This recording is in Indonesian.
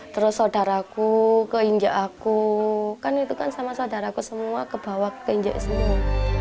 terus saudaraku ke injek aku kan itu kan sama saudaraku semua ke bawah ke injek sendiri